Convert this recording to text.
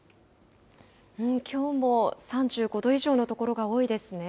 きょうも３５度以上の所が多いですね。